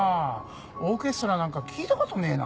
オーケストラなんか聴いたことねえな。